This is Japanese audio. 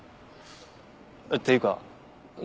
っていうかな